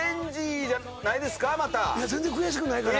いや全然悔しくないから。